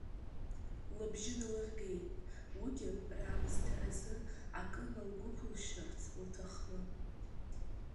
Лыбжьы налыргеит, уигьы раамысҭаразы акы налгәықәлшьырц лҭахны.